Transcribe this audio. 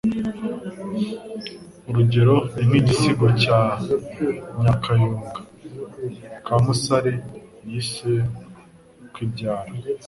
Urugero ni nk'igisigo cya Nyakayonga ka Musare yise “UKWIBYARA “